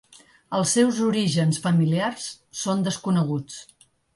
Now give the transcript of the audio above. Els seus orígens familiars són desconeguts.